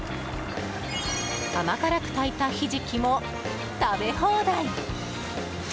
甘辛く炊いたひじきも食べ放題！